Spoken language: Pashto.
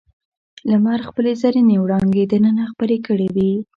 لمر خپلې زرینې وړانګې دننه خپرې کړې وې.